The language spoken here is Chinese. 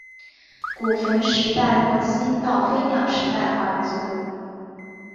古坟时代末期到飞鸟时代皇族。